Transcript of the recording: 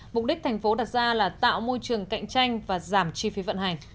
mục đích thành phố đặt ra là tạo môi trường cạnh tranh và giảm chi phí vận hành